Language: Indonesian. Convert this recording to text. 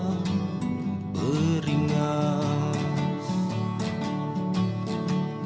oh belum terserah